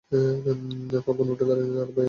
কখনো উঠে দাঁড়ায় না, তার ভাইয়ের মতো।